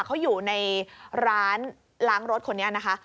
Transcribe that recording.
เขาอยู่ในร้านล้างรถคนนี้นะคะ